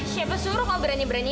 siapa suruh kalau berani berani